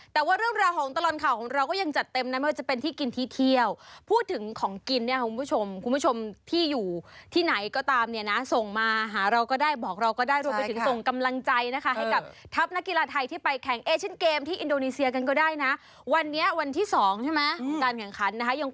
แต่ว่าเรื่องราวของตลอดข่าวของเราก็ยังจัดเต็มนะไม่ว่าจะเป็นที่กินที่เที่ยวพูดถึงของกินเนี่ยคุณผู้ชมคุณผู้ชมที่อยู่ที่ไหนก็ตามเนี่ยนะส่งมาหาเราก็ได้บอกเราก็ได้รวมไปถึงส่งกำลังใจนะคะให้กับทัพนักกีฬาไทยที่ไปแข่งเอเชียนเกมที่อินโดนีเซียกันก็ได้นะวันนี้วันที่๒ใช่ไหมของการแข่งขันนะคะยัง